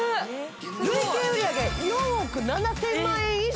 累計売上４億７０００万円以上！